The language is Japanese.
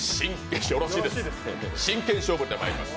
真剣勝負でまいります。